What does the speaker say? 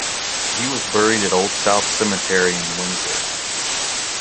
He was buried at Old South Cemetery in Windsor.